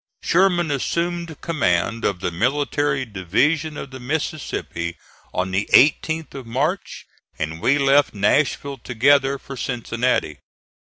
Sherman assumed command of the military division of the Mississippi on the 18th of March, and we left Nashville together for Cincinnati.